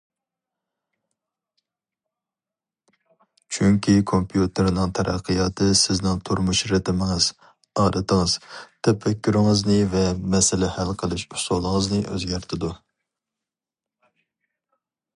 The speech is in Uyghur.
چۈنكى كومپيۇتېرنىڭ تەرەققىياتى سىزنىڭ تۇرمۇش رىتىمىڭىز، ئادىتىڭىز، تەپەككۇرىڭىزنى ۋە مەسىلە ھەل قىلىش ئۇسۇلىڭىزنى ئۆزگەرتىدۇ.